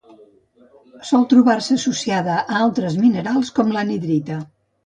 Sol trobar-se associada a altres minerals com l'anhidrita.